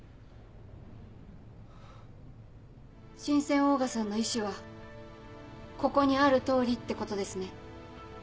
神饌オーガさんの意思はここにある通りってことですね。